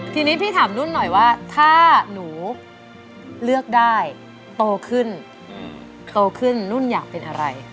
ทีนี้พี่ถามนุ่นหน่อยว่าถ้าหนูเลือกได้โตขึ้นโตขึ้นนุ่นอยากเป็นอะไร